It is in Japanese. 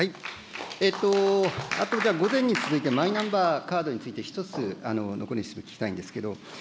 あと、午前に続いて、マイナンバーカードについて、１つ、残り１つ、聞きたいんですけれども。